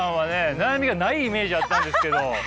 悩みがないイメージあったんですけど。